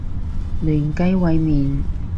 嫩雞煨麵